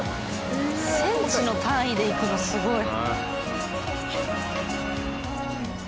センチの単位でいくのすごい。